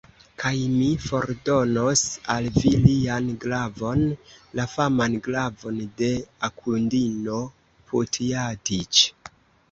Kaj mi fordonos al vi lian glavon, la faman glavon de Akundino Putjatiĉ!